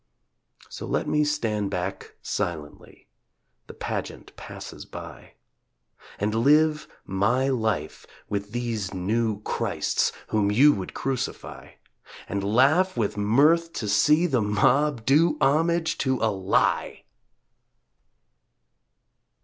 So let me stand back silently, The pageant passes by, And live my life with these new Christs Whom you would crucify, And laugh with mirth to see the mob Do homage to a Lie!